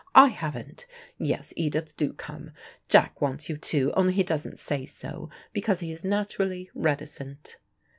I haven't. Yes, Edith, do come. Jack wants you, too, only he doesn't say so, because he is naturally reticent."